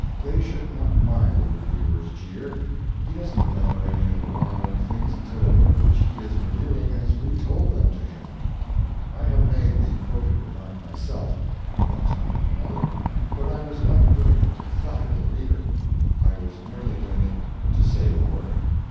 They should not mind the reviewer's jeer; he doesn't remember any of the worn old things until the book which he is reviewing has retold them to him. I have made the quoted remark myself, at one time and another, but I was not doing it to flatter the reader; I was merely doing it to save work.